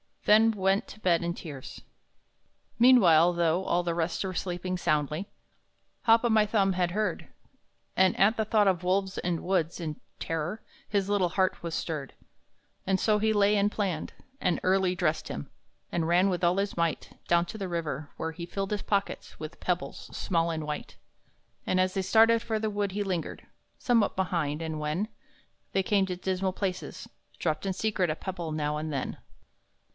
Then went to bed in tears. Meanwhile, though all the rest were sleeping soundly, Hop o' my Thumb had heard, And at the thought of wolves and woods, in terror His little heart was stirred; And so he lay and planned; and early dressed him, And ran with all his might Down to the river, where he filled his pockets With pebbles small and white. And, as they started for the wood, he lingered Somewhat behind, and when They came to dismal places, dropped in secret A pebble now and then.